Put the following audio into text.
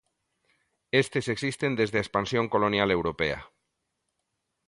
Estes existen desde a expansión colonial europea.